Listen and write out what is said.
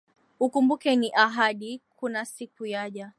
Ukumbuke ni ahadi, kuna siku yaja